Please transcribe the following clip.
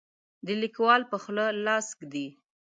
د لیکوال په خوله لاس ږدي.